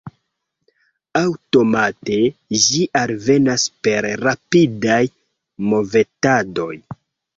Aŭtomate ĝi alvenas per rapidaj movetadoj.